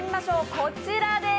こちらです。